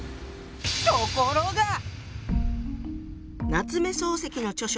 夏目漱石の著書